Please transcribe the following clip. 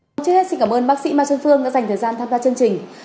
hôm trước hết xin cảm ơn bác sĩ mai xuân phương đã dành thời gian tham gia chương trình